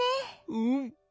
うん。